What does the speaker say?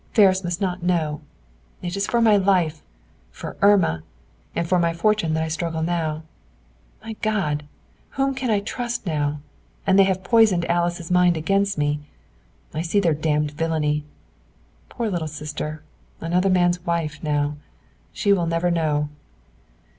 Ferris must not know. It is for my life, for Irma, and for my fortune that I struggle now. My God! Whom can I trust now, and they have poisoned Alice's mind against me. I see their damned villainy. Poor Little Sister! Another man's wife now. She will never know."